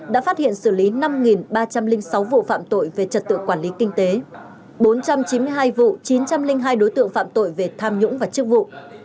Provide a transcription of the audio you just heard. đã phát hiện xử lý năm ba trăm linh sáu vụ phạm tội về trật tự quản lý kinh tế bốn trăm chín mươi hai vụ chín trăm linh hai đối tượng phạm tội về tham nhũng và chức vụ